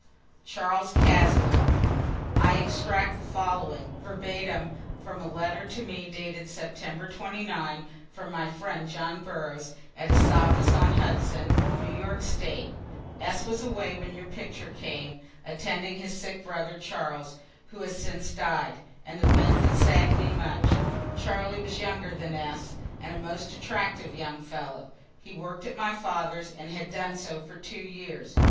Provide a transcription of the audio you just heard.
CHARLES CASWELL. [I extract the following, verbatim, from a letter to me dated September 29, from my friend John Burroughs, at Esopus on Hudson, New York State.] S. was away when your picture came, attending his sick brother, Charles who has since died an event that has sadden'd me much. Charlie was younger than S., and a most attractive young fellow. He work'd at my father's and had done so for two years.